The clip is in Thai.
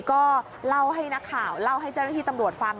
ก็เล่าให้นักข่าวเล่าให้เจ้าหน้าที่ตำรวจฟัง